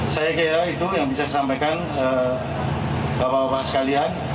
saya kira itu yang bisa saya sampaikan bapak bapak sekalian